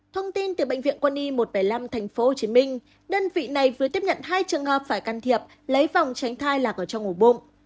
thông tin từ bệnh viện quân y một trăm bảy mươi năm tp hcm đơn vị này vừa tiếp nhận hai trường hợp phải can thiệp lấy phòng tránh thai lạc ở trong ngủ bụng